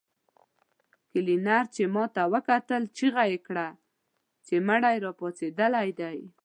کلينر چې ماته وکتل چيغه يې کړه چې مړی راپاڅېدلی دی.